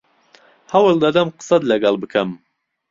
هەوڵ دەدەم قسەت لەگەڵ بکەم.